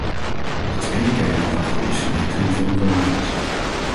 De tweede kerngedachte is verbetering van de coördinatie.